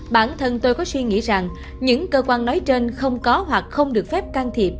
bản thân tôi có suy nghĩ rằng những cơ quan nói trên không có hoặc không được phép can thiệp